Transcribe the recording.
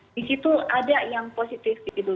di situ ada yang positif gitu